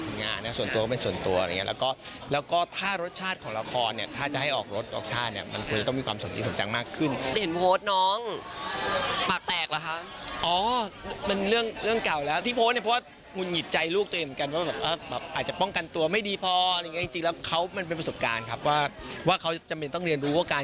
เขาว่าจ้าทำไมให้เพื่อนทำล่ะอะไรอย่างนี้